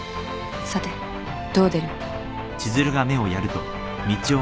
さてどう出る？